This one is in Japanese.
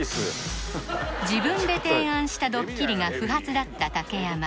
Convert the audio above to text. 自分で提案したドッキリが不発だった竹山